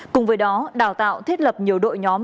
cùng với đó đào tạo thiết lập nhiều đội nhóm